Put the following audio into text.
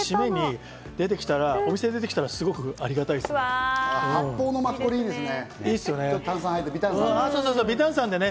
シメに出てきたら、お店で出てきたら、すごくありがたいですね。